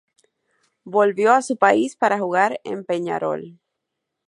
Volvió a su país para jugar en Peñarol.